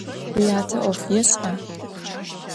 Vuyate 'of yêş'a?